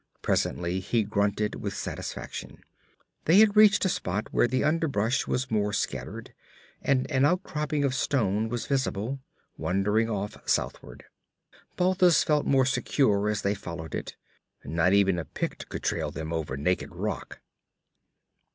Presently he grunted with satisfaction. They had reached a spot where the underbrush was more scattered, and an outcropping of stone was visible, wandering off southward. Balthus felt more secure as they followed it. Not even a Pict could trail them over naked rock.